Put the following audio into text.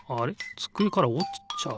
つくえからおちちゃう。